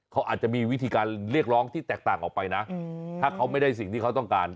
เขาอาจจะมีวิธีการเรียกร้องที่แตกต่างออกไปนะถ้าเขาไม่ได้สิ่งที่เขาต้องการ